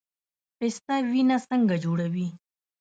پسته وینه څنګه جوړوي؟